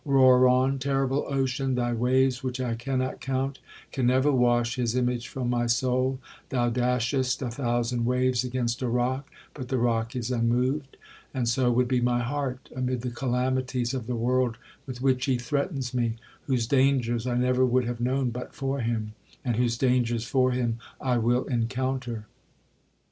'Roar on, terrible ocean! thy waves, which I cannot count, can never wash his image from my soul,—thou dashest a thousand waves against a rock, but the rock is unmoved—and so would be my heart amid the calamities of the world with which he threatens me,—whose dangers I never would have known but for him, and whose dangers for him I will encounter.'